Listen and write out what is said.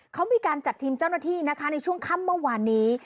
เขามีการจัดทีมเจ้าหน้าที่นะคะในช่วงค่ำเมื่อวานนี้